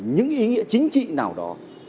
những ý nghĩa chính trị nào đó